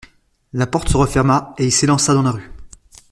La porte se referma et il s'élança dans la rue.